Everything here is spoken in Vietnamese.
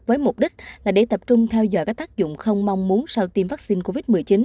với mục đích là để tập trung theo dõi các tác dụng không mong muốn sau tiêm vaccine covid một mươi chín